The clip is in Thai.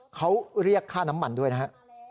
เขาเรียกค่าน้ำมันด้วยนะฮะ